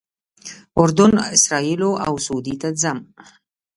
اردن، اسرائیلو او سعودي ته ځم.